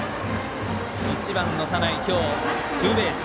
１番、田内、今日ツーベース。